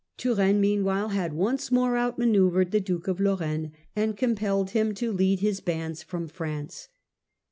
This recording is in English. Turenne mean while had once more outmanoeuvred the Duke of Lor raine, and compelled him to lead his bands from France.